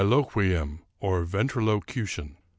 1 Biloquium, or ventrilocution.